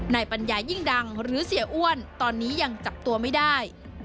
ปัญญายิ่งดังหรือเสียอ้วนตอนนี้ยังจับตัวไม่ได้